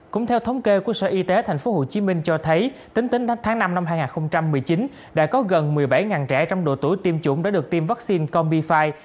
cũng theo thống kê của sở y tế thành phố hồ chí minh cho thấy tính tính tháng năm năm hai nghìn một mươi chín đã có gần một mươi bảy trẻ trong độ tuổi tiêm chủng đã được tiêm vaccine combi fi